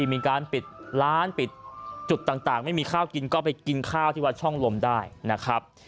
มีการปิดร้านปิดจุดต่างไม่มีข้าวกินก็ไปกินข้าวที่วัดช่องลมได้นะครับ